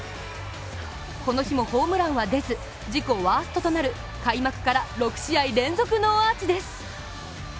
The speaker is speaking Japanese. この日もホームランは出ず自己ワーストとなる開幕から６試合連続ノーアーチです。